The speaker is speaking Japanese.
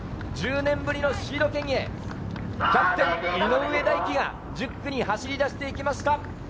１０年ぶりのシード権へキャプテン・井上大輝が１０区に走り出していきました。